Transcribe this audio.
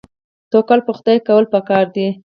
توکل په خدای کول پکار دي